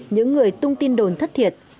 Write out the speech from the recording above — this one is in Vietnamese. những người tung tin đồn thất thiệt